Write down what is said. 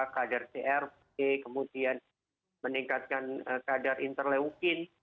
kadar crp kemudian meningkatkan kadar interleukin